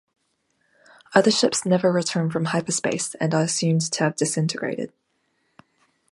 Other ships never return from hyperspace and are assumed to have disintegrated.